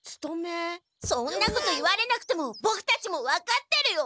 そんなこと言われなくてもボクたちも分かってるよ！